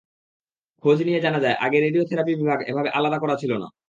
খোঁজ নিয়ে জানা যায়, আগে রেডিও থেরাপি বিভাগ এভাবে আলাদা করা ছিল না।